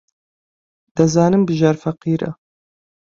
دەزانم بژار فەقیرە.